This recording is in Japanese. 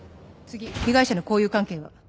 次被害者の交友関係は？